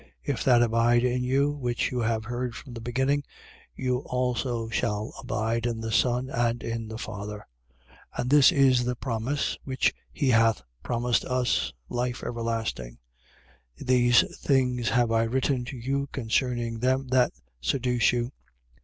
If that abide in you, which you have heard from the beginning, you also shall abide in the Son and in the Father. 2:25. And this is the promise which he hath promised us, life everlasting. 2:26. These things have I written to you concerning them that seduce you.